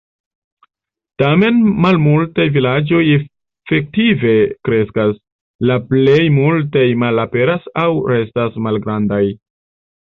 Tamen malmultaj vilaĝoj efektive kreskas, la plej multaj malaperas aŭ restas malgrandaj.